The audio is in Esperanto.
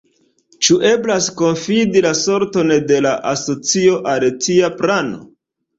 Ĉu eblas konfidi la sorton de la Asocio al tia plano?